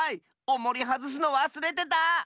おもりはずすのわすれてた！